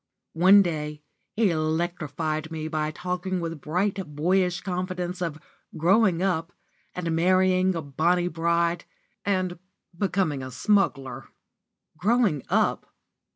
One day he electrified me by talking with bright, boyish confidence of "growing up" and marrying a bonny bride, and becoming a smuggler. "Growing up"!